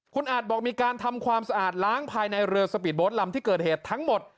คุณอาจบอกมีการทำความสะอาดล้างภายในเรือสปีดโบ๊ทลำที่เกิดเหตุทั้งหมด